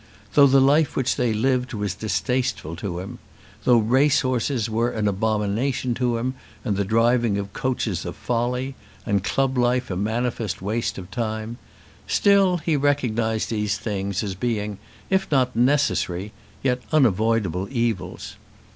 Though the life which they lived was distasteful to him, though racehorses were an abomination to him, and the driving of coaches a folly, and club life a manifest waste of time, still he recognised these things as being, if not necessary, yet unavoidable evils.